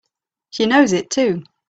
She knows it too!